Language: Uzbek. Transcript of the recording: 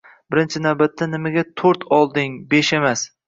Birinchi navbatda, “Nimaga to‘rt olding, besh emas?”